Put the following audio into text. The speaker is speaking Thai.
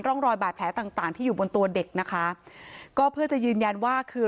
ร่องรอยบาดแผลต่างต่างที่อยู่บนตัวเด็กนะคะก็เพื่อจะยืนยันว่าคือ